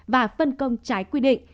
và phân công trái quy định